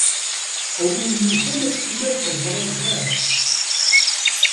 A win yufan ad tiliḍ teẓriḍ xir.